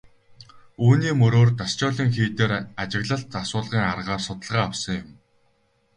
Үүний мөрөөр Дашчойлин хийд дээр ажиглалт асуулгын аргаар судалгаа авсан юм.